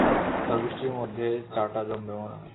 ঝড়-বৃষ্টির মধ্যে চা-টা জমবে মনে হয়।